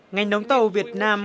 ngành đóng tàu việt nam